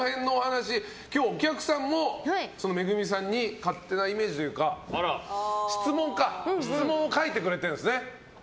今日、お客さんもＭＥＧＵＭＩさんに勝手なイメージというか質問を書いてくれてるんですね。